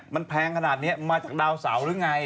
มันแพงขนาดนี้มาจากดาวเสาหรือไง